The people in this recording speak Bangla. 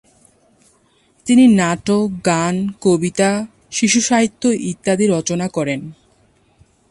তিনি নাটক, গান, কবিতা, শিশু সাহিত্য ইত্যাদিও রচনা করেন।